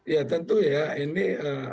ya tentu ya ini